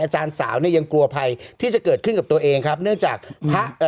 อาจารย์สาวเนี่ยยังกลัวภัยที่จะเกิดขึ้นกับตัวเองครับเนื่องจากพระเอ่อ